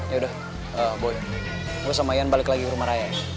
yaudah boy gue sama ian balik lagi ke rumah raya